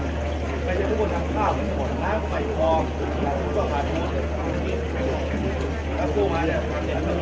เมืองอัศวินธรรมดาคือสถานที่สุดท้ายของเมืองอัศวินธรรมดา